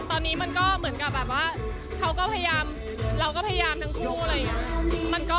ตอนนี้มันก็เหมือนกับแบบว่าเขาก็พยายามเราก็พยายามทั้งคู่อะไรอย่างนี้